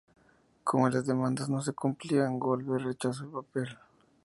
Como las demandas no se cumplían, Glover rechazó el papel.